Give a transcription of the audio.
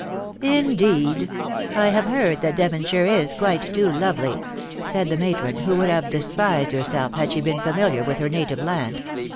" Indeed ! I have heard that Devonshire is quite too lovely/^ said the matron, who would have de spised herself had she been familiar with her native land.